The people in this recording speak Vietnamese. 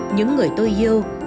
những người tôi yêu